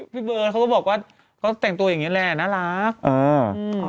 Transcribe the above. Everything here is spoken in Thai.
พี่เบิร์ตเขาก็บอกว่าเขาแต่งตัวอย่างเงี้แหละน่ารักอ่า